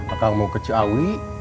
akang mau ke ciawi